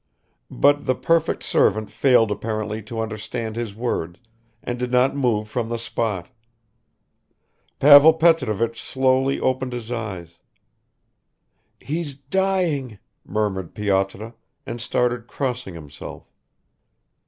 But the perfect servant failed apparently to understand his words and did not move from the spot. Pavel Petrovich slowly opened his eyes. "He's dying," murmured Pyotr and started crossing himself.